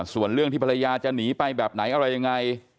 ส่วนเรื่องที่ภรรยาจะหนีไปแบบไหนอะไรยังไง